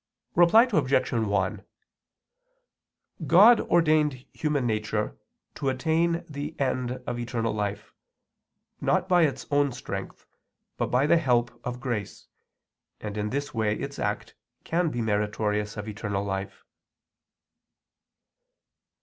Reply Obj. 1: God ordained human nature to attain the end of eternal life, not by its own strength, but by the help of grace; and in this way its act can be meritorious of eternal life.